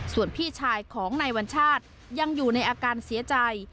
ส่วนพี่ชายของนายวัญชาติยังอยู่ในอาการเสียใจ